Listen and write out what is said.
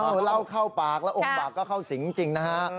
เมาเหล้าข้อปากแล้วองค์บากก็เข้าสิ้นจริงนะคะ